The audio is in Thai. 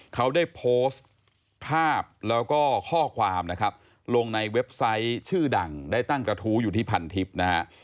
เขาได้โพสต์ภาพแล้วก็ข้อความนะครับลงในเว็บไซต์ชื่อดังได้ตั้งกระทู้อยู่ที่พันทิพย์นะฮะ